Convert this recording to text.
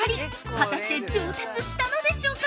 果たして上達したのでしょうか？